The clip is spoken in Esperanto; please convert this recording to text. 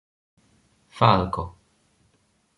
falko